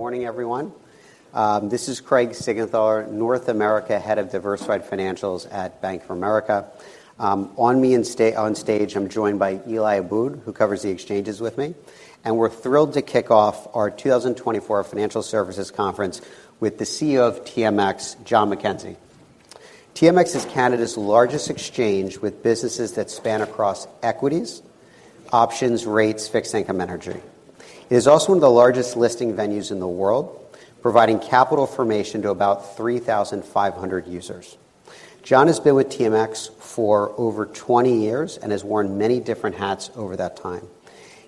Good morning, everyone. This is Craig Siegenthaler, North America Head of Diversified Financials at Bank of America. With me on stage, I'm joined by Eli Aboud, who covers the exchanges with me, and we're thrilled to kick off our 2024 Financial Services Conference with the CEO of TMX, John McKenzie. TMX is Canada's largest exchange with businesses that span across equities, options, rates, fixed income, energy. It is also one of the largest listing venues in the world, providing capital formation to about 3,500 users. John has been with TMX for over 20 years and has worn many different hats over that time.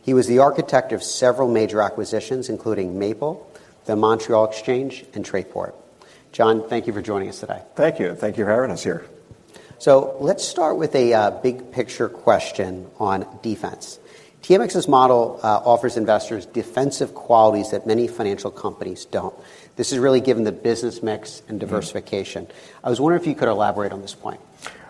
He was the architect of several major acquisitions, including Maple, the Montréal Exchange, and Trayport. John, thank you for joining us today. Thank you. Thank you for having us here. Let's start with a big picture question on defense. TMX's model offers investors defensive qualities that many financial companies don't. This is really given the business mix and diversification. I was wondering if you could elaborate on this point.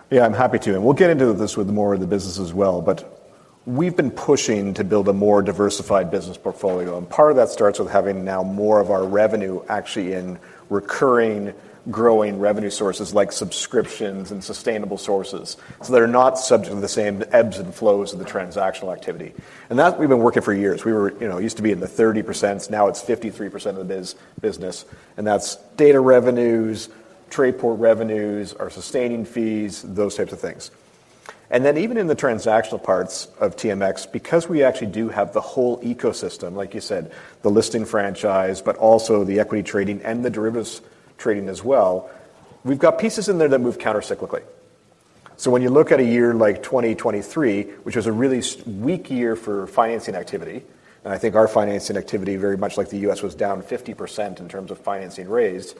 Yeah, I'm happy to. And we'll get into this with more of the business as well, but we've been pushing to build a more diversified business portfolio, and part of that starts with having now more of our revenue actually in recurring, growing revenue sources like subscriptions and sustainable sources so they're not subject to the same ebbs and flows of the transactional activity. And that we've been working for years. We were, you know, used to be in the 30%. Now it's 53% of the business, and that's data revenues, Trayport revenues, our sustaining fees, those types of things. And then even in the transactional parts of TMX, because we actually do have the whole ecosystem, like you said, the listing franchise, but also the equity trading and the derivatives trading as well, we've got pieces in there that move countercyclically. So when you look at a year like 2023, which was a really weak year for financing activity, and I think our financing activity, very much like the U.S., was down 50% in terms of financing raised,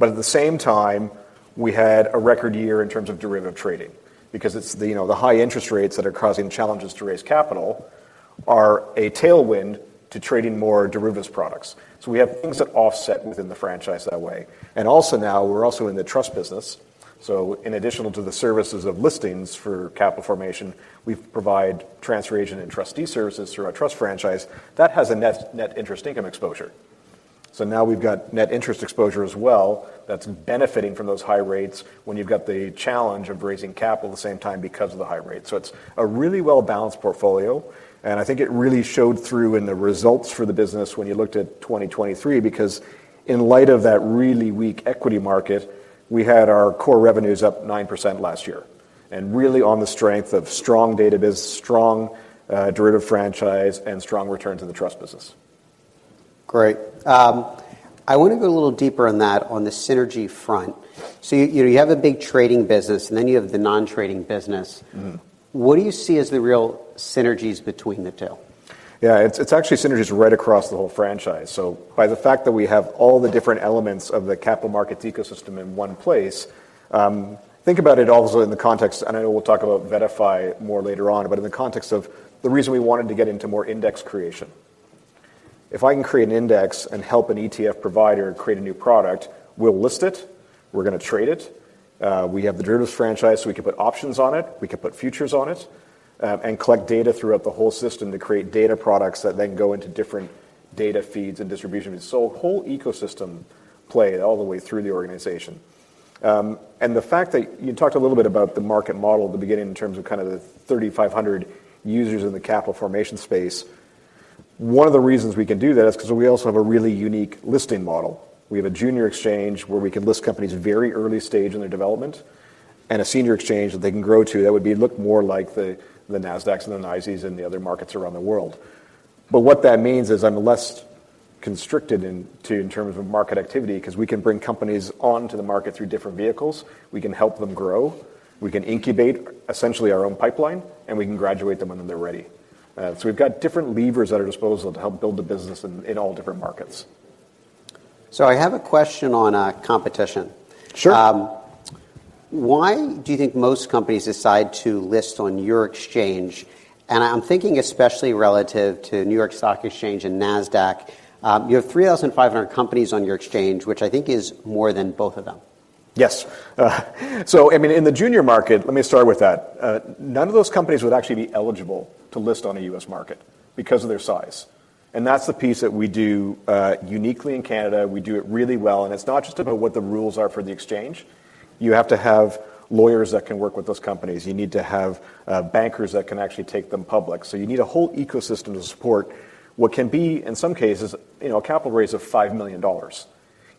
but at the same time, we had a record year in terms of derivative trading because it's the, you know, the high interest rates that are causing challenges to raise capital are a tailwind to trading more derivatives products. So we have things that offset within the franchise that way. And also now we're also in the trust business. So in addition to the services of listings for capital formation, we provide transfer agent and trustee services through our trust franchise that has a net, net interest income exposure. So now we've got net interest exposure as well that's benefiting from those high rates when you've got the challenge of raising capital at the same time because of the high rates. So it's a really well-balanced portfolio, and I think it really showed through in the results for the business when you looked at 2023 because in light of that really weak equity market, we had our core revenues up 9% last year and really on the strength of strong data biz, strong derivative franchise, and strong returns in the trust business. Great. I want to go a little deeper on that on the synergy front. So you, you know, you have a big trading business, and then you have the non-trading business. Mm-hmm. What do you see as the real synergies between the two? Yeah, it's actually synergies right across the whole franchise. So by the fact that we have all the different elements of the capital markets ecosystem in one place, think about it also in the context, and I know we'll talk about VettaFi more later on, but in the context of the reason we wanted to get into more index creation. If I can create an index and help an ETF provider create a new product, we'll list it. We're going to trade it. We have the derivatives franchise, so we can put options on it. We can put futures on it, and collect data throughout the whole system to create data products that then go into different data feeds and distribution feeds. So a whole ecosystem play all the way through the organization. and the fact that you talked a little bit about the market model at the beginning in terms of kind of the 3,500 users in the capital formation space, one of the reasons we can do that is because we also have a really unique listing model. We have a junior exchange where we can list companies very early stage in their development and a senior exchange that they can grow to that would look more like the, the Nasdaqs and the NYSEs and the other markets around the world. But what that means is I'm less constricted in terms of market activity because we can bring companies onto the market through different vehicles. We can help them grow. We can incubate essentially our own pipeline, and we can graduate them when they're ready. We've got different levers at our disposal to help build the business in all different markets. I have a question on competition. Sure. Why do you think most companies decide to list on your exchange? I'm thinking especially relative to New York Stock Exchange and Nasdaq. You have 3,500 companies on your exchange, which I think is more than both of them. Yes. So, I mean, in the junior market, let me start with that, none of those companies would actually be eligible to list on a U.S. market because of their size. And that's the piece that we do, uniquely in Canada. We do it really well. And it's not just about what the rules are for the exchange. You have to have lawyers that can work with those companies. You need to have bankers that can actually take them public. So you need a whole ecosystem to support what can be, in some cases, you know, a capital raise of 5 million dollars.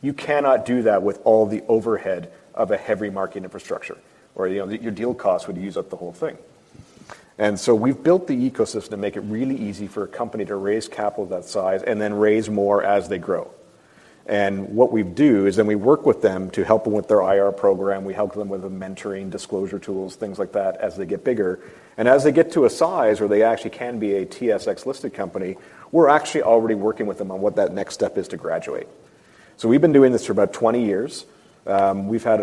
You cannot do that with all the overhead of a heavy marketing infrastructure or, you know, your deal costs would use up the whole thing. We've built the ecosystem to make it really easy for a company to raise capital of that size and then raise more as they grow. What we do is then we work with them to help them with their IR program. We help them with the mentoring, disclosure tools, things like that as they get bigger. As they get to a size where they actually can be a TSX listed company, we're actually already working with them on what that next step is to graduate. We've been doing this for about 20 years. We've had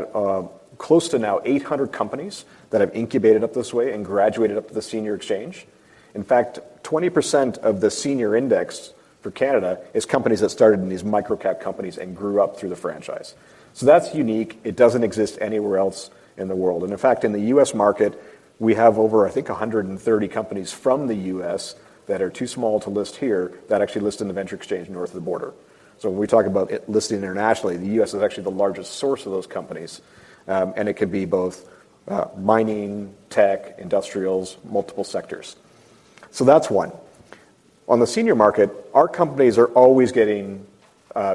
close to now 800 companies that have incubated up this way and graduated up to the senior exchange. In fact, 20% of the senior index for Canada is companies that started in these microcap companies and grew up through the franchise. That's unique. It doesn't exist anywhere else in the world. In fact, in the U.S. market, we have over, I think, 130 companies from the U.S. that are too small to list here that actually list in the venture exchange north of the border. When we talk about it listing internationally, the U.S. is actually the largest source of those companies. It can be both mining, tech, industrials, multiple sectors. That's one. On the senior market, our companies are always getting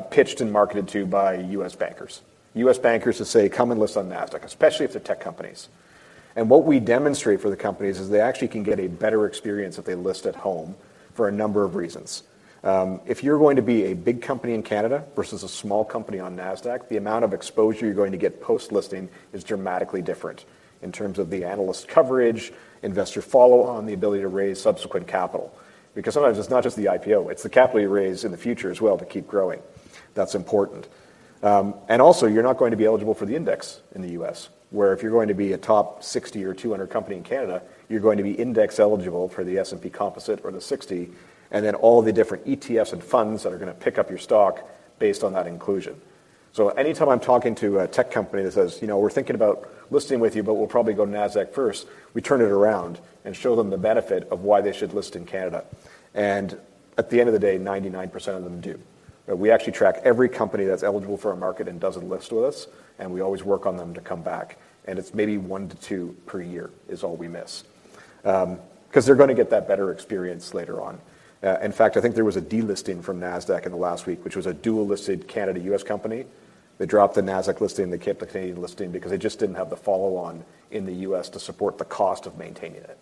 pitched and marketed to by U.S. bankers to say, "Come and list on NASDAQ," especially if they're tech companies. What we demonstrate for the companies is they actually can get a better experience if they list at home for a number of reasons. If you're going to be a big company in Canada versus a small company on Nasdaq, the amount of exposure you're going to get post-listing is dramatically different in terms of the analyst coverage, investor follow-on, the ability to raise subsequent capital because sometimes it's not just the IPO. It's the capital you raise in the future as well to keep growing. That's important. Also, you're not going to be eligible for the index in the U.S., where if you're going to be a top 60 or 200 company in Canada, you're going to be index eligible for the S&P/TSX Composite or the 60 and then all the different ETFs and funds that are going to pick up your stock based on that inclusion. So anytime I'm talking to a tech company that says, "You know, we're thinking about listing with you, but we'll probably go Nasdaq first," we turn it around and show them the benefit of why they should list in Canada. And at the end of the day, 99% of them do. We actually track every company that's eligible for our market and doesn't list with us, and we always work on them to come back. And it's maybe 1-2 per year is all we miss, because they're going to get that better experience later on. In fact, I think there was a delisting from Nasdaq in the last week, which was a dual-listed Canada-U.S. company. They dropped the Nasdaq listing. They kept the Canadian listing because they just didn't have the follow-on in the US to support the cost of maintaining it.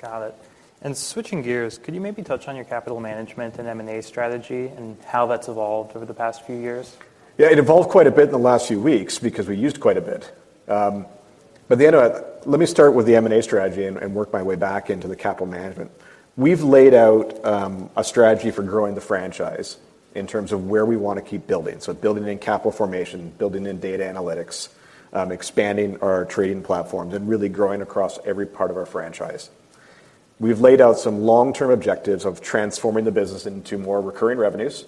Got it. And switching gears, could you maybe touch on your capital management and M&A strategy and how that's evolved over the past few years? Yeah, it evolved quite a bit in the last few weeks because we used quite a bit, but the end of it, let me start with the M&A strategy and work my way back into the capital management. We've laid out a strategy for growing the franchise in terms of where we want to keep building, so building in capital formation, building in data analytics, expanding our trading platforms, and really growing across every part of our franchise. We've laid out some long-term objectives of transforming the business into more recurring revenues,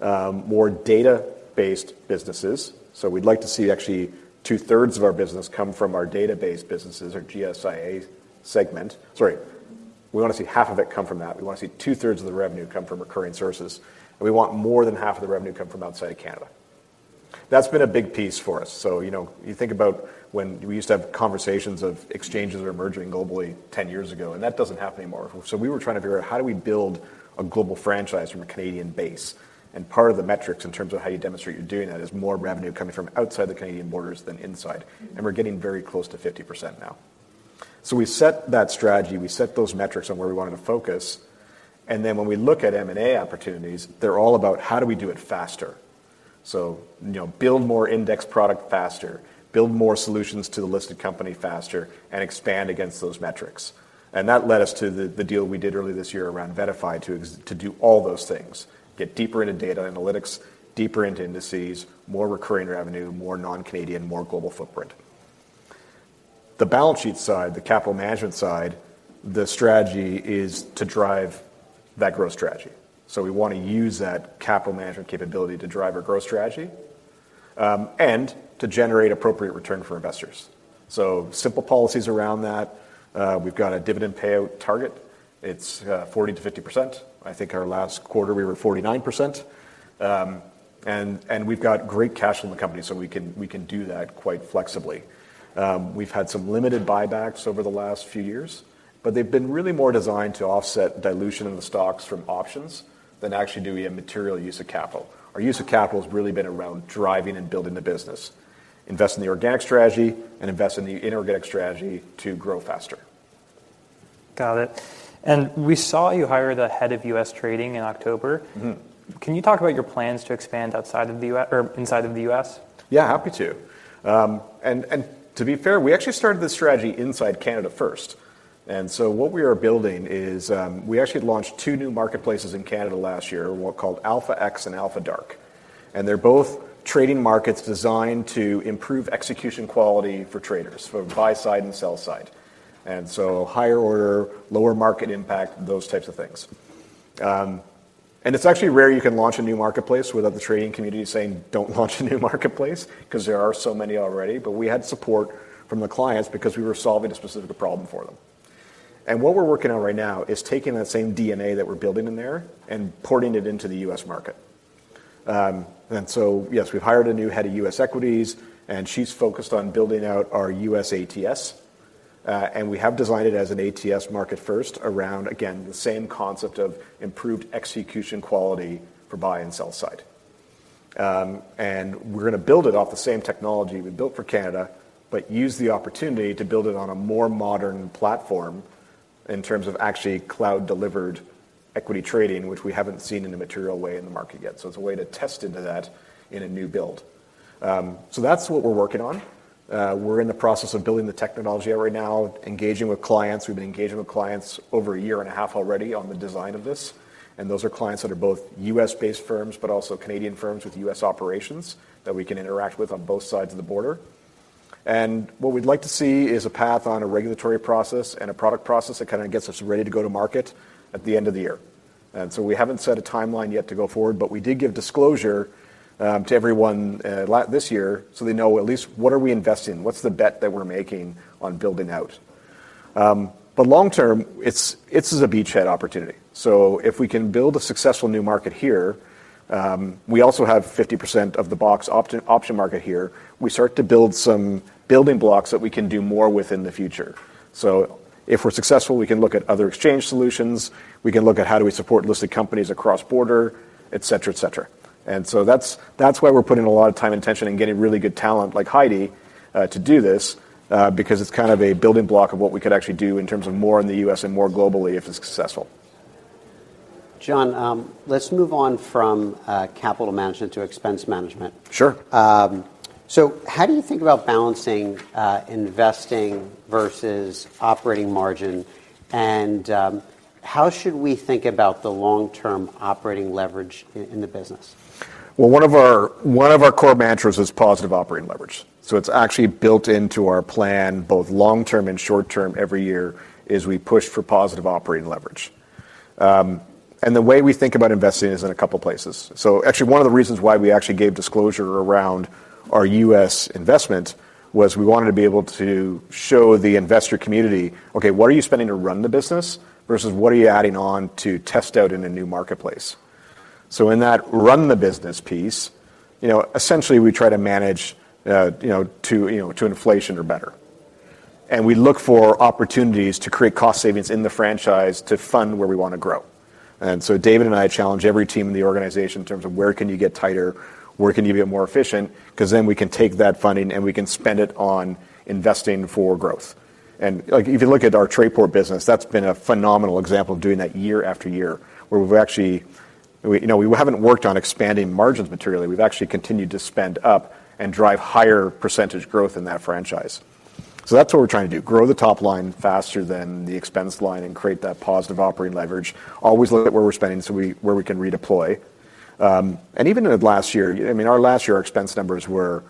more data-based businesses. So we'd like to see actually two-thirds of our business come from our data-based businesses, our GSIA segment. Sorry. We want to see half of it come from that. We want to see two-thirds of the revenue come from recurring sources. And we want more than half of the revenue to come from outside of Canada. That's been a big piece for us. So, you know, you think about when we used to have conversations of exchanges that are emerging globally 10 years ago, and that doesn't happen anymore. So we were trying to figure out, how do we build a global franchise from a Canadian base? And part of the metrics in terms of how you demonstrate you're doing that is more revenue coming from outside the Canadian borders than inside. And we're getting very close to 50% now. So we set that strategy. We set those metrics on where we wanted to focus. And then when we look at M&A opportunities, they're all about, how do we do it faster? So, you know, build more index product faster, build more solutions to the listed company faster, and expand against those metrics. And that led us to the, the deal we did early this year around VettaFi to, to do all those things, get deeper into data analytics, deeper into indices, more recurring revenue, more non-Canadian, more global footprint. The balance sheet side, the capital management side, the strategy is to drive that growth strategy. So we want to use that capital management capability to drive our growth strategy, and to generate appropriate return for investors. So simple policies around that. We've got a dividend payout target. It's 40%-50%. I think our last quarter, we were 49%. And we've got great cash flow in the company, so we can, we can do that quite flexibly. We've had some limited buybacks over the last few years, but they've been really more designed to offset dilution in the stocks from options than actually doing a material use of capital. Our use of capital has really been around driving and building the business, investing in the organic strategy and investing in the inorganic strategy to grow faster. Got it. And we saw you hired the head of U.S. trading in October. Can you talk about your plans to expand outside of the U.S. or inside of the U.S.? Yeah, happy to. To be fair, we actually started this strategy inside Canada first. And so what we are building is, we actually launched two new marketplaces in Canada last year, one called Alpha X and Alpha DRK. And they're both trading markets designed to improve execution quality for traders, for buy-side and sell-side, and so higher order, lower market impact, those types of things. And it's actually rare you can launch a new marketplace without the trading community saying, "Don't launch a new marketplace," because there are so many already. But we had support from the clients because we were solving a specific problem for them. And what we're working on right now is taking that same DNA that we're building in there and porting it into the U.S. market. And so, yes, we've hired a new head of US equities, and she's focused on building out our US ATS. And we have designed it as an ATS market first around, again, the same concept of improved execution quality for buy and sell side. And we're going to build it off the same technology we built for Canada but use the opportunity to build it on a more modern platform in terms of actually cloud-delivered equity trading, which we haven't seen in a material way in the market yet. So it's a way to test into that in a new build. So that's what we're working on. We're in the process of building the technology out right now, engaging with clients. We've been engaging with clients over a year and a half already on the design of this. Those are clients that are both US-based firms but also Canadian firms with US operations that we can interact with on both sides of the border. What we'd like to see is a path on a regulatory process and a product process that kind of gets us ready to go to market at the end of the year. So we haven't set a timeline yet to go forward, but we did give disclosure to everyone earlier this year so they know at least what are we investing in, what's the bet that we're making on building out. But long term, it's as a beachhead opportunity. So if we can build a successful new market here, we also have 50% of the BOX options market here. We start to build some building blocks that we can do more with in the future. So if we're successful, we can look at other exchange solutions. We can look at how do we support listed companies across border, etc., etc. And so that's, that's why we're putting a lot of time and attention and getting really good talent like Heidi, to do this, because it's kind of a building block of what we could actually do in terms of more in the U.S. and more globally if it's successful. John, let's move on from capital management to expense management. Sure. So how do you think about balancing investing versus operating margin? And how should we think about the long-term operating leverage in the business? Well, one of our core mantras is positive operating leverage. So it's actually built into our plan, both long term and short term, every year is we push for positive operating leverage. And the way we think about investing is in a couple of places. So actually, one of the reasons why we actually gave disclosure around our US investment was we wanted to be able to show the investor community, "Okay, what are you spending to run the business versus what are you adding on to test out in a new marketplace?" So in that run the business piece, you know, essentially, we try to manage, you know, to inflation or better. And we look for opportunities to create cost savings in the franchise to fund where we want to grow. And so David and I challenge every team in the organization in terms of, where can you get tighter? Where can you be more efficient? Because then we can take that funding, and we can spend it on investing for growth. And, like, if you look at our Trayport business, that's been a phenomenal example of doing that year after year where we've actually, you know, we haven't worked on expanding margins materially. We've actually continued to spend up and drive higher percentage growth in that franchise. So that's what we're trying to do, grow the top line faster than the expense line and create that positive operating leverage, always look at where we're spending so we where we can redeploy. And even in last year, I mean, our last year, our expense numbers were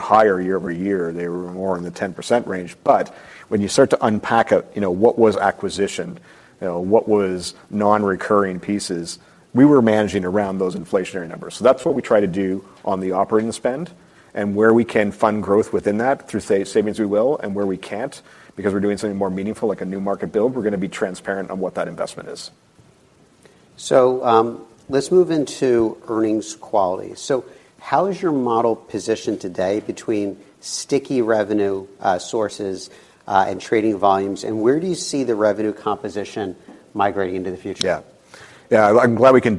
higher year-over-year. They were more in the 10% range. But when you start to unpack out, you know, what was acquisition, you know, what was non-recurring pieces, we were managing around those inflationary numbers. So that's what we try to do on the operating spend and where we can fund growth within that through savings we will and where we can't because we're doing something more meaningful, like a new market build. We're going to be transparent on what that investment is. Let's move into earnings quality. How is your model positioned today between sticky revenue, sources, and trading volumes? Where do you see the revenue composition migrating into the future? Yeah. Yeah, I'm glad we can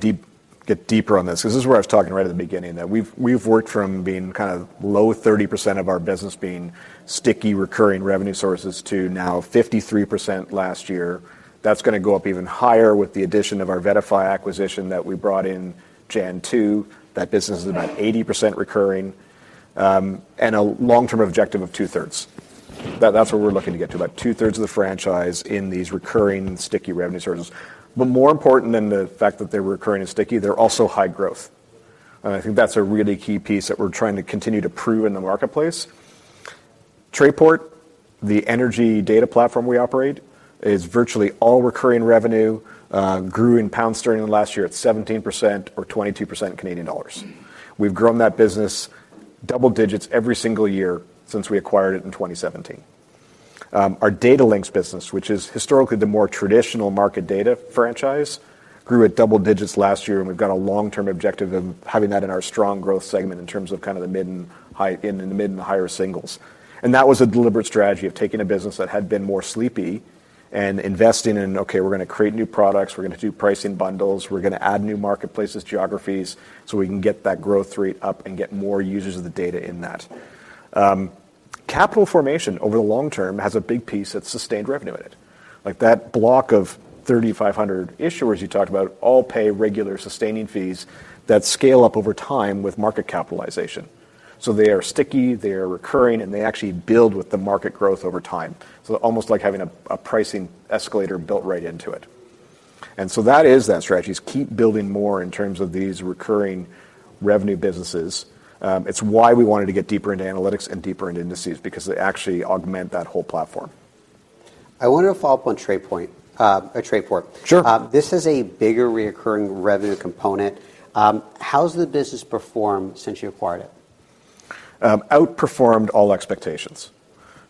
get deeper on this because this is where I was talking right at the beginning, that we've worked from being kind of low 30% of our business being sticky recurring revenue sources to now 53% last year. That's going to go up even higher with the addition of our VettaFi acquisition that we brought in January 2. That business is about 80% recurring, and a long-term objective of two-thirds. That's what we're looking to get to, about two-thirds of the franchise in these recurring sticky revenue sources. But more important than the fact that they're recurring and sticky, they're also high growth. And I think that's a really key piece that we're trying to continue to prove in the marketplace. Trayport, the energy data platform we operate, is virtually all recurring revenue [and] grew in pound sterling last year at 17% or 22% Canadian dollars. We've grown that business double digits every single year since we acquired it in 2017. Our Datalinx business, which is historically the more traditional market data franchise, grew at double digits last year. We've got a long-term objective of having that in our strong growth segment in terms of kind of the mid and high in the mid and higher singles. That was a deliberate strategy of taking a business that had been more sleepy and investing in, "Okay, we're going to create new products. We're going to do pricing bundles. We're going to add new marketplaces, geographies, so we can get that growth rate up and get more users of the data in that. Capital formation over the long term has a big piece that's sustained revenue in it. Like, that block of 3,500 issuers you talked about all pay regular sustaining fees that scale up over time with market capitalization. So they are sticky. They are recurring. And they actually build with the market growth over time. So almost like having a pricing escalator built right into it. And so that is that strategy is keep building more in terms of these recurring revenue businesses. It's why we wanted to get deeper into analytics and deeper into indices because they actually augment that whole platform. I wanted to follow up on Trayport. Sure. This is a bigger recurring revenue component. How's the business performed since you acquired it? Outperformed all expectations.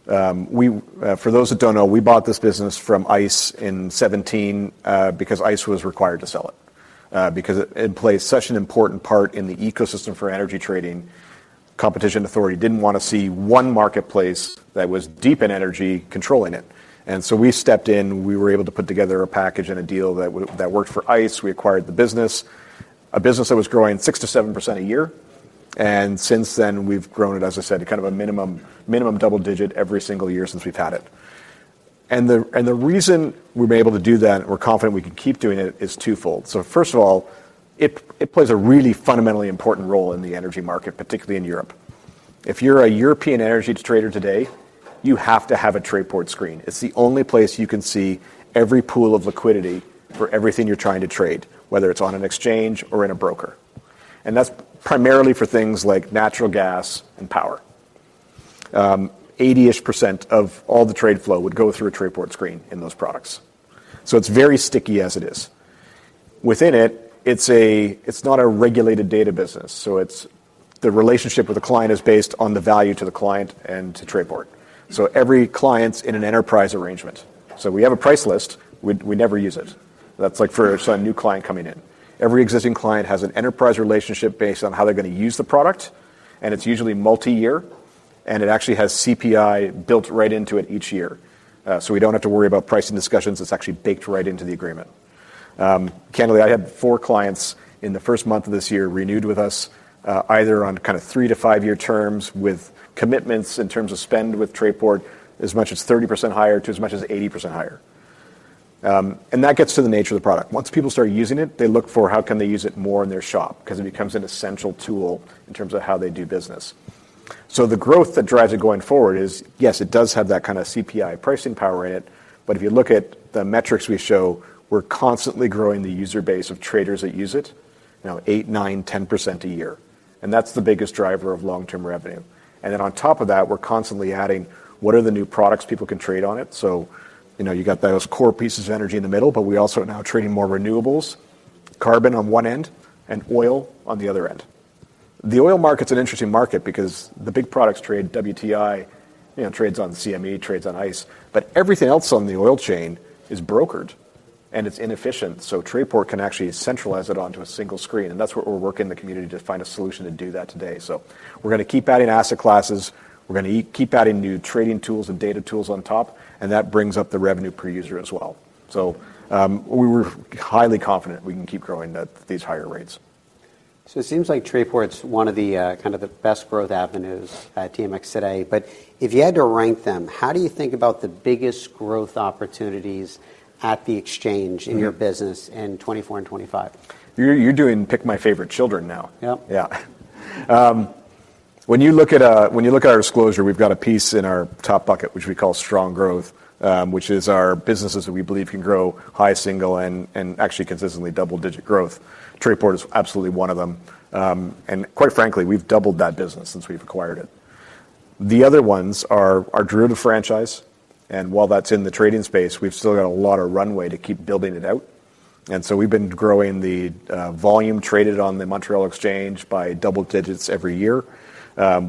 We, for those that don't know, we bought this business from ICE in 2017, because ICE was required to sell it, because it played such an important part in the ecosystem for energy trading. Competition authority didn't want to see one marketplace that was deep in energy controlling it. And so we stepped in. We were able to put together a package and a deal that that worked for ICE. We acquired the business, a business that was growing 6%-7% a year. And since then, we've grown it, as I said, to kind of a minimum double-digit every single year since we've had it. And the reason we're able to do that and we're confident we can keep doing it is twofold. So first of all, it plays a really fundamentally important role in the energy market, particularly in Europe. If you're a European energy trader today, you have to have a Trayport screen. It's the only place you can see every pool of liquidity for everything you're trying to trade, whether it's on an exchange or in a broker. And that's primarily for things like natural gas and power. 80%-ish% of all the trade flow would go through a Trayport screen in those products. So it's very sticky as it is. Within it, it's not a regulated data business. So it's the relationship with the client is based on the value to the client and to Trayport. So every client's in an enterprise arrangement. So we have a price list. We never use it. That's like for, say, a new client coming in. Every existing client has an enterprise relationship based on how they're going to use the product. It's usually multi-year. It actually has CPI built right into it each year. So we don't have to worry about pricing discussions. It's actually baked right into the agreement. Candidly, I had 4 clients in the first month of this year renewed with us, either on kind of 3- to 5-year terms with commitments in terms of spend with Trayport as much as 30%-80% higher. That gets to the nature of the product. Once people start using it, they look for how can they use it more in their shop because it becomes an essential tool in terms of how they do business. The growth that drives it going forward is, yes, it does have that kind of CPI pricing power in it. But if you look at the metrics we show, we're constantly growing the user base of traders that use it, you know, 8%, 9%, 10% a year. And that's the biggest driver of long-term revenue. And then on top of that, we're constantly adding, what are the new products people can trade on it? So, you know, you got those core pieces of energy in the middle, but we also are now trading more renewables, carbon on one end and oil on the other end. The oil market's an interesting market because the big products trade, WTI, you know, trades on CME, trades on ICE. But everything else on the oil chain is brokered, and it's inefficient. So Trayport can actually centralize it onto a single screen. And that's what we're working in the community to find a solution to do that today. We're going to keep adding asset classes. We're going to keep adding new trading tools and data tools on top. That brings up the revenue per user as well. We were highly confident we can keep growing at these higher rates. It seems like Trayport's one of the, kind of the best growth avenues, TMX today. But if you had to rank them, how do you think about the biggest growth opportunities at the exchange in your business in 2024 and 2025? You're picking my favorite children now. Yep. Yeah. When you look at, when you look at our disclosure, we've got a piece in our top bucket, which we call strong growth, which is our businesses that we believe can grow high single and, and actually consistently double-digit growth. Trayport is absolutely one of them. And quite frankly, we've doubled that business since we've acquired it. The other ones are, are derivatives franchise. And while that's in the trading space, we've still got a lot of runway to keep building it out. And so we've been growing the volume traded on the Montréal Exchange by double digits every year.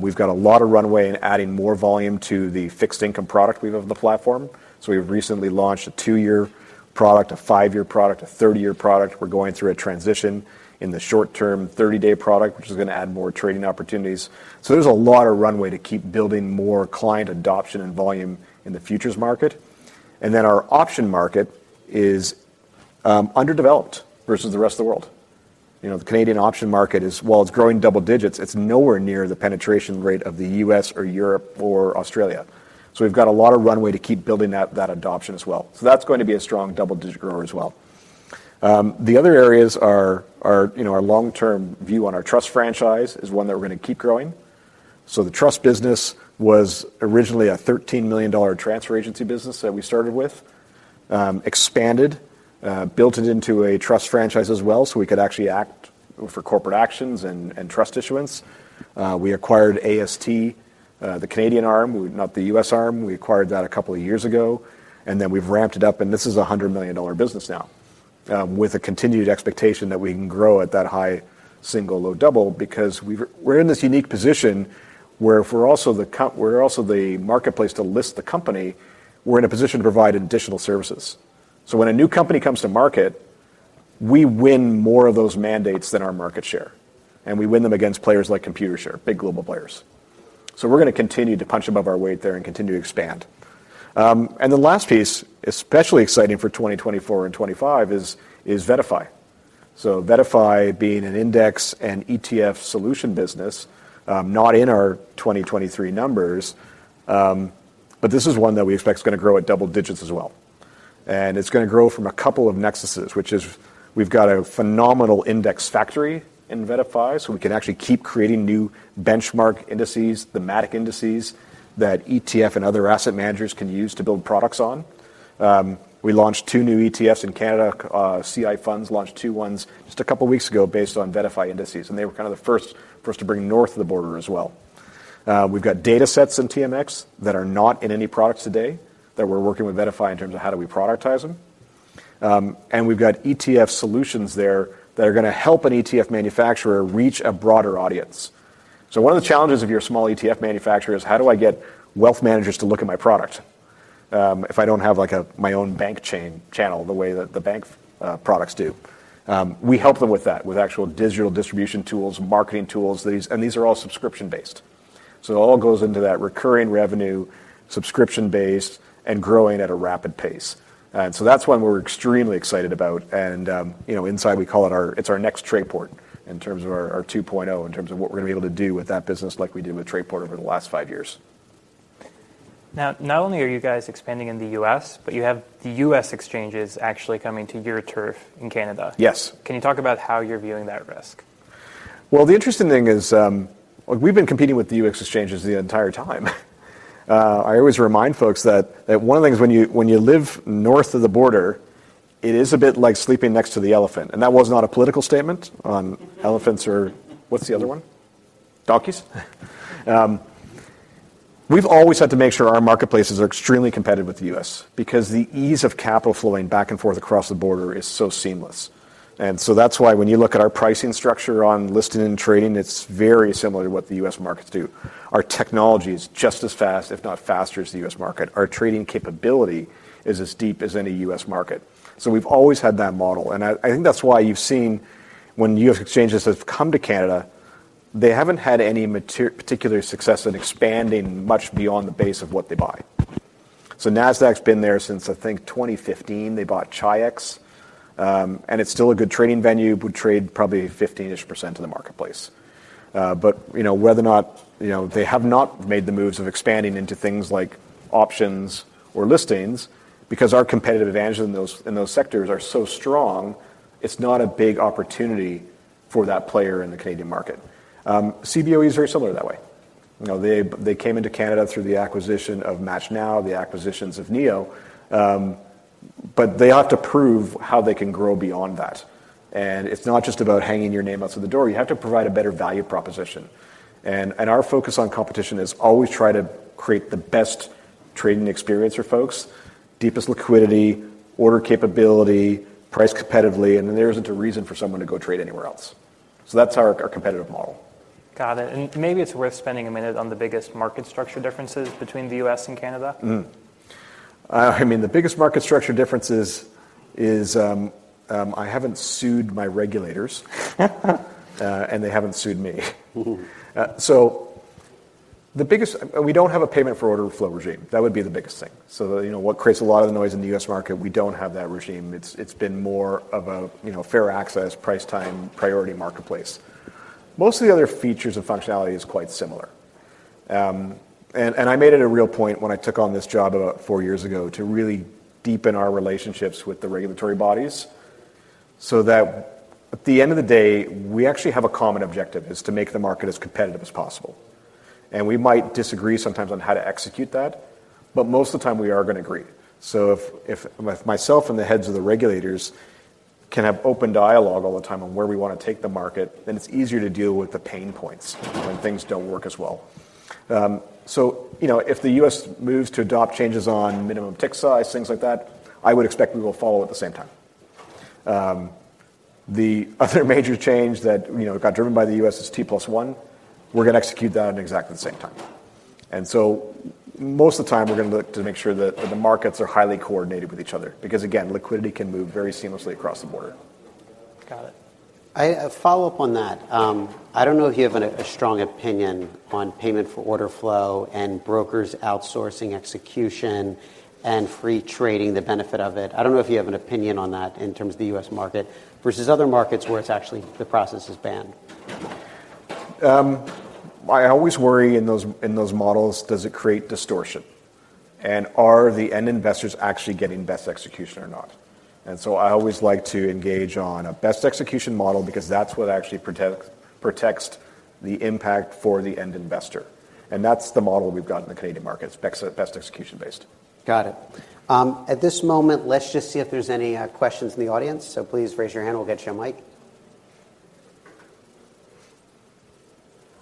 We've got a lot of runway in adding more volume to the fixed income product we have on the platform. So we've recently launched a 2-year product, a 5-year product, a 30-year product. We're going through a transition in the short-term 30-day product, which is going to add more trading opportunities. So there's a lot of runway to keep building more client adoption and volume in the futures market. And then our option market is underdeveloped versus the rest of the world. You know, the Canadian option market is, while it's growing double digits, it's nowhere near the penetration rate of the U.S. or Europe or Australia. So we've got a lot of runway to keep building that adoption as well. So that's going to be a strong double-digit grower as well. The other areas are, you know, our long-term view on our trust franchise is one that we're going to keep growing. So the trust business was originally a 13 million dollar transfer agency business that we started with, expanded, built it into a trust franchise as well so we could actually act for corporate actions and, and trust issuance. We acquired AST, the Canadian arm, not the U.S. arm. We acquired that a couple of years ago. And then we've ramped it up. And this is a 100 million dollar business now, with a continued expectation that we can grow at that high single, low, double because we've, we're in this unique position where if we're also the co we're also the marketplace to list the company, we're in a position to provide additional services. So when a new company comes to market, we win more of those mandates than our market share. And we win them against players like Computershare, big global players. So we're going to continue to punch above our weight there and continue to expand. And the last piece, especially exciting for 2024 and 2025, is VettaFi. So VettaFi being an index and ETF solution business, not in our 2023 numbers, but this is one that we expect is going to grow at double digits as well. And it's going to grow from a couple of nexuses, which is we've got a phenomenal index factory in VettaFi. So we can actually keep creating new benchmark indices, thematic indices that ETF and other asset managers can use to build products on. We launched two new ETFs in Canada. CI funds launched two ones just a couple of weeks ago based on VettaFi indices. And they were kind of the first to bring north of the border as well. We've got datasets in TMX that are not in any products today that we're working with VettaFi in terms of, how do we productize them? We've got ETF solutions there that are going to help an ETF manufacturer reach a broader audience. So one of the challenges of your small ETF manufacturer is, how do I get wealth managers to look at my product, if I don't have, like, my own bank channel the way that the bank products do? We help them with that, with actual digital distribution tools, marketing tools. And these are all subscription-based. So it all goes into that recurring revenue, subscription-based, and growing at a rapid pace. And so that's one we're extremely excited about. You know, inside, we call it our, it's our next Trayport in terms of our 2.0, in terms of what we're going to be able to do with that business like we did with Trayport over the last five years. Now, not only are you guys expanding in the U.S., but you have the U.S. exchanges actually coming to your turf in Canada. Yes. Can you talk about how you're viewing that risk? Well, the interesting thing is, we've been competing with the U.S. exchanges the entire time. I always remind folks that, that one of the things when you, when you live north of the border, it is a bit like sleeping next to the elephant. And that was not a political statement on elephants or what's the other one? Donkeys. We've always had to make sure our marketplaces are extremely competitive with the U.S. because the ease of capital flowing back and forth across the border is so seamless. And so that's why when you look at our pricing structure on listing and trading, it's very similar to what the U.S. markets do. Our technology is just as fast, if not faster, as the U.S. market. Our trading capability is as deep as any U.S. market. So we've always had that model. I think that's why you've seen when U.S. exchanges have come to Canada, they haven't had any particular success in expanding much beyond the base of what they buy. So Nasdaq's been there since, I think, 2015. They bought Chi-X, and it's still a good trading venue. We trade probably 15-ish% of the marketplace, but you know whether or not, you know, they have not made the moves of expanding into things like options or listings because our competitive advantage in those sectors are so strong. It's not a big opportunity for that player in the Canadian market. Cboe is very similar that way. You know, they came into Canada through the acquisition of MATCHNow, the acquisitions of NEO, but they have to prove how they can grow beyond that. It's not just about hanging your name outside the door. You have to provide a better value proposition. And our focus on competition is always try to create the best trading experience for folks, deepest liquidity, order capability, price competitively. And then there isn't a reason for someone to go trade anywhere else. So that's our competitive model. Got it. Maybe it's worth spending a minute on the biggest market structure differences between the U.S. and Canada. I mean, the biggest market structure difference is I haven't sued my regulators, and they haven't sued me. So the biggest we don't have a payment for order flow regime. That would be the biggest thing. So, you know, what creates a lot of the noise in the U.S. market, we don't have that regime. It's been more of a, you know, fair access, price-time priority marketplace. Most of the other features and functionality is quite similar. And I made it a real point when I took on this job about four years ago to really deepen our relationships with the regulatory bodies so that at the end of the day, we actually have a common objective is to make the market as competitive as possible. We might disagree sometimes on how to execute that, but most of the time, we are going to agree. So if myself and the heads of the regulators can have open dialogue all the time on where we want to take the market, then it's easier to deal with the pain points when things don't work as well. So, you know, if the U.S. moves to adopt changes on minimum tick size, things like that, I would expect we will follow at the same time. The other major change that, you know, got driven by the U.S. is T+1. We're going to execute that at exactly the same time. And so most of the time, we're going to look to make sure that the markets are highly coordinated with each other because, again, liquidity can move very seamlessly across the border. Got it. I have a follow-up on that. I don't know if you have a strong opinion on payment for order flow and brokers outsourcing execution and free trading, the benefit of it? I don't know if you have an opinion on that in terms of the U.S. market versus other markets where it's actually the process is banned? I always worry in those, in those models, does it create distortion? And are the end investors actually getting best execution or not? And so I always like to engage on a best execution model because that's what actually protects, protects the impact for the end investor. And that's the model we've got in the Canadian market. It's best execution-based. Got it. At this moment, let's just see if there's any questions in the audience. So please raise your hand. We'll get you a mic.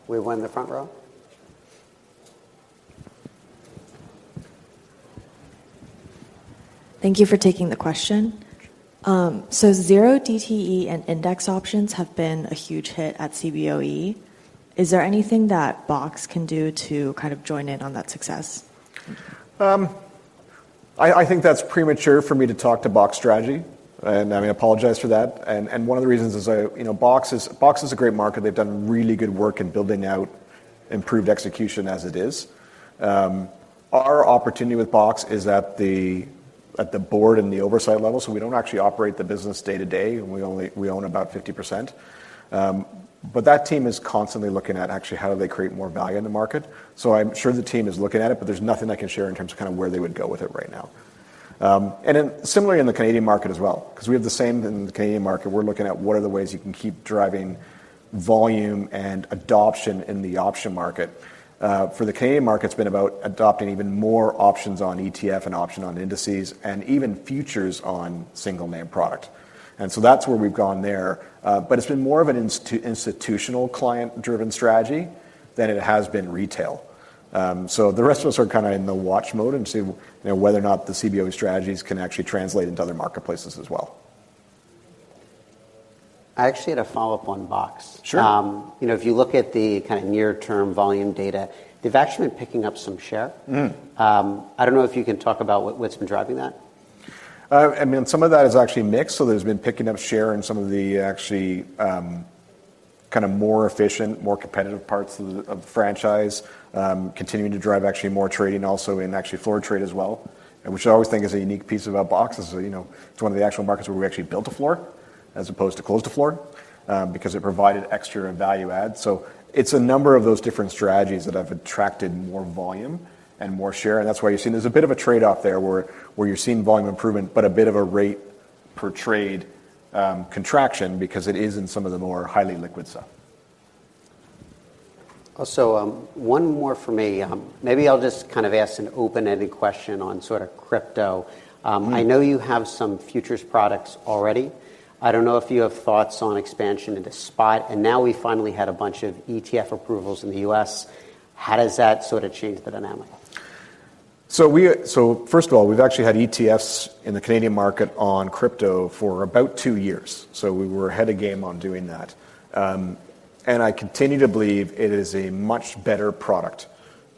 We won the front row. Thank you for taking the question. Zero DTE and index options have been a huge hit at CBOE. Is there anything that BOX can do to kind of join in on that success? I think that's premature for me to talk to BOX Strategy. And I mean, apologize for that. And one of the reasons is, you know, BOX is a great market. They've done really good work in building out improved execution as it is. Our opportunity with BOX is at the board and the oversight level. So we don't actually operate the business day to day. We only own about 50%. But that team is constantly looking at actually, how do they create more value in the market? So I'm sure the team is looking at it, but there's nothing I can share in terms of kind of where they would go with it right now. And then similarly in the Canadian market as well, because we have the same in the Canadian market, we're looking at what are the ways you can keep driving volume and adoption in the option market. For the Canadian market, it's been about adopting even more options on ETF and option on indices and even futures on single name product. And so that's where we've gone there. But it's been more of an institutional client-driven strategy than it has been retail. So the rest of us are kind of in the watch mode and see, you know, whether or not the Cboe strategies can actually translate into other marketplaces as well. I actually had a follow-up on BOX. Sure. You know, if you look at the kind of near-term volume data, they've actually been picking up some share. I don't know if you can talk about what, what's been driving that. I mean, some of that is actually mixed. So there's been picking up share in some of the actually, kind of more efficient, more competitive parts of the, of the franchise, continuing to drive actually more trading also in actually floor trade as well, which I always think is a unique piece about BOX is that, you know, it's one of the actual markets where we actually built a floor as opposed to closed the floor, because it provided extra value add. So it's a number of those different strategies that have attracted more volume and more share. And that's why you're seeing there's a bit of a trade-off there where, where you're seeing volume improvement but a bit of a rate per trade, contraction because it is in some of the more highly liquid stuff. Also, one more for me. Maybe I'll just kind of ask an open-ended question on sort of crypto. I know you have some futures products already. I don't know if you have thoughts on expansion into spot. And now we finally had a bunch of ETF approvals in the U.S. How does that sort of change the dynamic? So, first of all, we've actually had ETFs in the Canadian market on crypto for about two years. So we were ahead of game on doing that. I continue to believe it is a much better product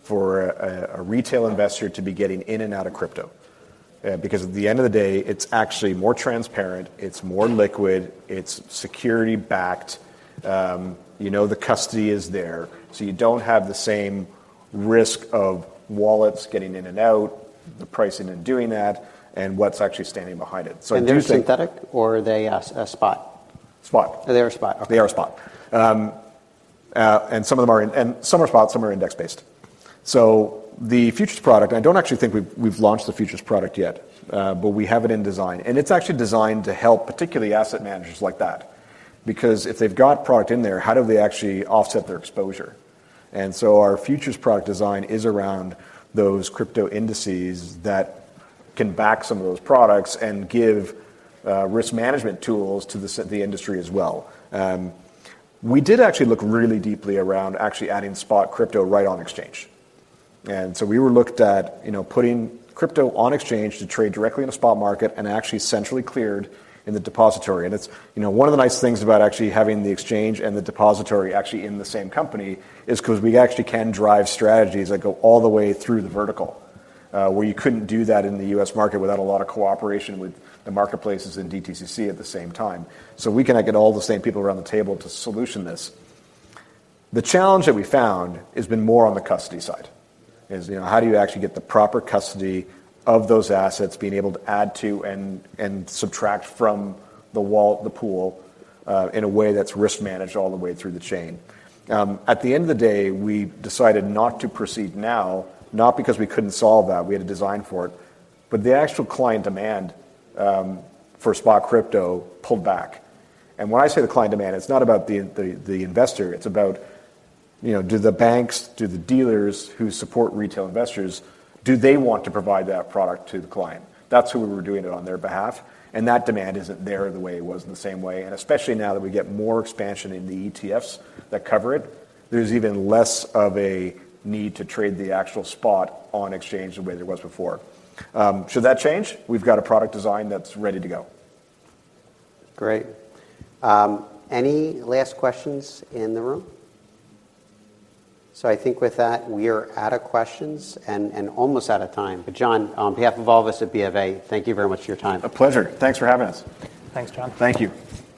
for a retail investor to be getting in and out of crypto because at the end of the day, it's actually more transparent. It's more liquid. It's security-backed. You know, the custody is there. So you don't have the same risk of wallets getting in and out, the pricing and doing that, and what's actually standing behind it. So do you think? They're synthetic or are they a spot? Spot. They're a spot. Okay. They are spot, and some of them are in, and some are spot, some are index-based. So the futures product, I don't actually think we've launched the futures product yet, but we have it in design. And it's actually designed to help particularly asset managers like that because if they've got product in there, how do they actually offset their exposure? And so our futures product design is around those crypto indices that can back some of those products and give risk management tools to the industry as well. We did actually look really deeply around actually adding spot crypto right on exchange. And so we were looked at, you know, putting crypto on exchange to trade directly in a spot market and actually centrally cleared in the depository. And it's, you know, one of the nice things about actually having the exchange and the depository actually in the same company is because we actually can drive strategies that go all the way through the vertical, where you couldn't do that in the U.S. market without a lot of cooperation with the marketplaces in DTCC at the same time. So we can get all the same people around the table to solution this. The challenge that we found has been more on the custody side is, you know, how do you actually get the proper custody of those assets being able to add to and subtract from the wallet, the pool, in a way that's risk-managed all the way through the chain? At the end of the day, we decided not to proceed now, not because we couldn't solve that. We had to design for it. But the actual client demand for spot crypto pulled back. And when I say the client demand, it's not about the investor. It's about, you know, do the banks, do the dealers who support retail investors, do they want to provide that product to the client? That's who we were doing it on their behalf. And that demand isn't there the way it was in the same way. And especially now that we get more expansion in the ETFs that cover it, there's even less of a need to trade the actual spot on exchange the way there was before. Should that change? We've got a product design that's ready to go. Great. Any last questions in the room? So I think with that, we are out of questions and almost out of time. But John, on behalf of all of us at BofA, thank you very much for your time. A pleasure. Thanks for having us. Thanks, John. Thank you.